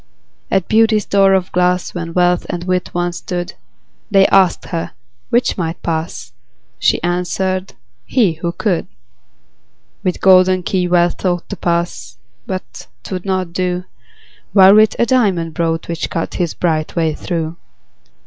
At Beauty's door of glass, When Wealth and Wit once stood, They asked her 'which might pass?" She answered, "he, who could." With golden key Wealth thought To pass but 'twould not do: While Wit a diamond brought, Which cut his bright way through.